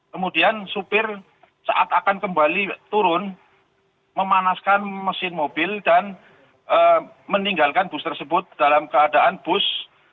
kemudian supir saat akan kembali turun memanaskan mesin mobil dan meninggalkan bus tersebut dalam keadaan bus